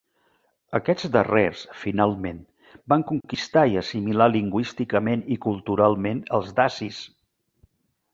Aquests darrers, finalment, van conquistar i assimilar lingüísticament i culturalment els dacis.